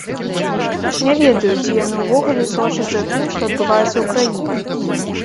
Не ведаю, ці яны ўвогуле сочаць за тым, што адбываецца ў краіне.